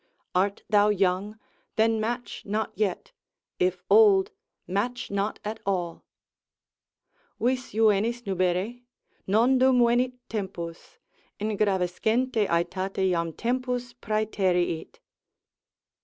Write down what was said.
Art thou young? then match not yet; if old, match not at all. Vis juvenis nubere? nondum venit tempus. Ingravescente aetate jam tempus praeteriit.